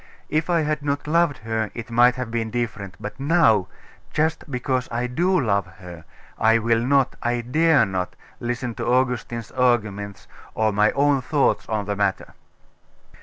If I had not loved her it might have been different: but now just because I do love her, I will not, I dare not, listen to Augustine's arguments, or my own thoughts on the matter.